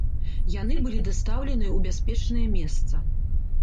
Яны былі дастаўленыя ў бяспечнае месца.